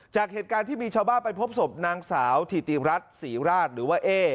จากเหตุการณ์ที่มีชาวบ้านไปพบศพนางสาวถิติรัฐศรีราชหรือว่าเอ๊